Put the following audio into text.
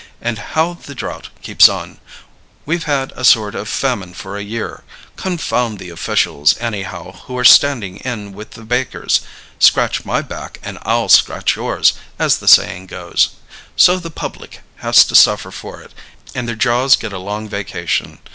And how the drought keeps on! We've had a sort of famine for a year. Confound the officials anyhow, who are standing in with the bakers! 'Scratch my back and I'll scratch yours,' as the saying goes. So the public has to suffer for it and their jaws get a long vacation.